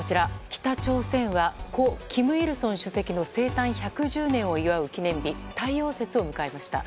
北朝鮮は、故・金日成主席の生誕１１０年を祝う記念日太陽節を迎えました。